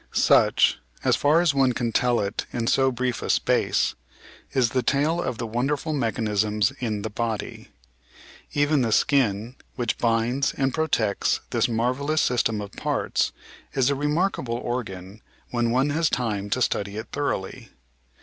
Such, as far as one can tell it in so brief a space, is the tale of the wonderful mechanisms in the body. Even the skin, which binds and protects this marvellous system of parts, is a remarkable organ when one has time to study it thoroughly.